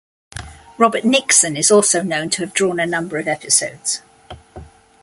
Robert Nixon is also known to have drawn a number of episodes.